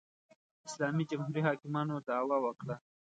اسلامي جمهوري حاکمانو دعوا وکړه